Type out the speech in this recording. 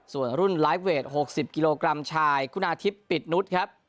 ส่วนรุ่นไลฟ์เวท๖๐กิโลกรัมชายคุณาทิพย์ปิดนุษย์ครับ